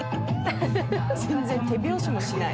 全然手拍子もしない。